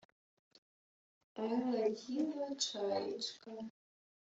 Ой летіла чаєчка